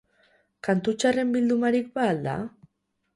Kantu txarren bildumarik ba al da?